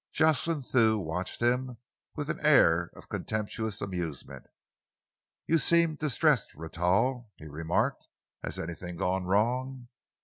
Jocelyn Thew watched him with an air of contemptuous amusement. "You seem distressed, Rentoul," he remarked. "Has anything gone wrong?"